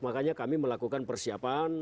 makanya kami melakukan persiapan